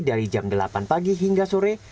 dari jam delapan pagi hingga sore